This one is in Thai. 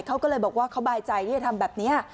เขาก็เลยบอกว่าเขาบายใจที่จะทำแบบนี้